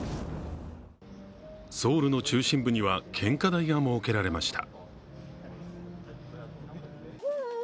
ソウルの中心部には献花台が設けられました。